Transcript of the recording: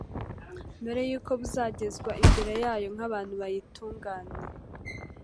mbere y’uko buzagezwa imbere yayo nk’abantu bayitunganiye.